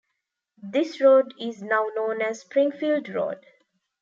This road is now known as Springfield Road.